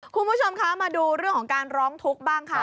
คุณผู้ชมคะมาดูเรื่องของการร้องทุกข์บ้างค่ะ